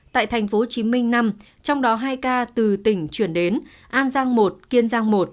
tại tp hcm năm trong đó hai ca từ tỉnh chuyển đến an giang một kiên giang một